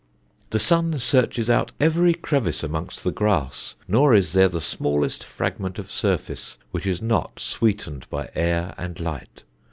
"The sun searches out every crevice amongst the grass, nor is there the smallest fragment of surface which is not sweetened by air and light.